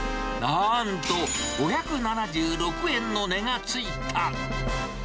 なんと５７６円の値がついた。